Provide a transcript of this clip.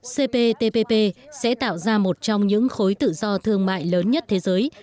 cptpp sẽ tạo ra một trong những khối tự do thương mại lớn nhất thế giới